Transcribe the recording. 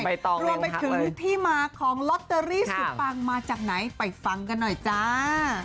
รวมไปถึงที่มาของลอตเตอรี่สุดปังมาจากไหนไปฟังกันหน่อยจ้า